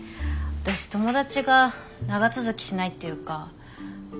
私友達が長続きしないっていうか。